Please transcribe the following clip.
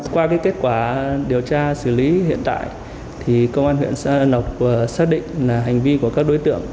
qua kết quả điều tra xử lý hiện tại công an huyện nọc xác định hành vi của các đối tượng